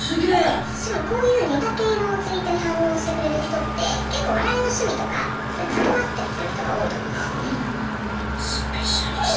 しかもこういうネタ系のツイートに反応してくれる人って結構笑いの趣味とかそういうツボが合ったりする人が多いと思うんですよね。